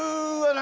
何？